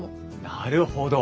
なるほど。